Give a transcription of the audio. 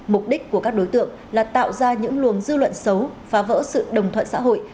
mục đích của các đối tượng là tạo ra những luồng dư luận xấu phá vỡ sự đồng thuận xã hội